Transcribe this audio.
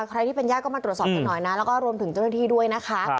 ใครที่เป็นยากก็มาตรวจสอบกันหน่อยนะ